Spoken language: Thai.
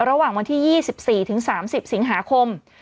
ระหว่างวันที่๒๔ถึง๓๐สิงหาคม